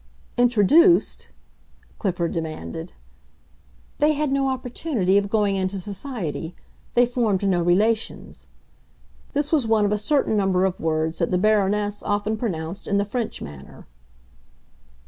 "Introduced?" Clifford demanded. "They had no opportunity of going into society; they formed no relations." This was one of a certain number of words that the Baroness often pronounced in the French manner.